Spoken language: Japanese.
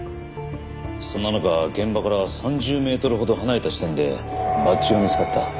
そんな中現場から３０メートルほど離れた地点でバッジが見つかった。